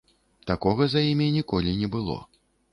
Такога за імі ніколі не было.